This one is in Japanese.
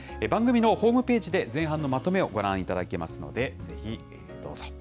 番組のホームページで、前半のまとめをご覧いただけますので、ぜひどうぞ。